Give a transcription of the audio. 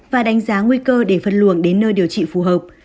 và đánh giá nguy cơ để phân luồng đến nơi điều trị phù hợp